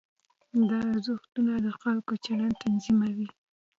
دا ارزښتونه د خلکو چلند تنظیموي.